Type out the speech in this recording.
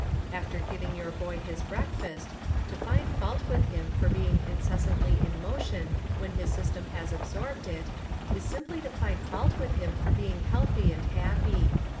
After giving your boy his breakfast, to find fault with him for being incessantly in motion when his system has absorbed it, is simply to find fault with him for being healthy and happy.